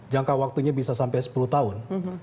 jangka waktunya bisa sampai sepuluh tahun